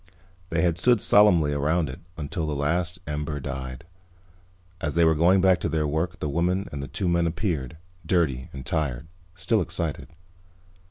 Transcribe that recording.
They had stood solemnly around it until the last ember died. As they were going back to their work the woman and the two men appeared, dirty and tired, still excited.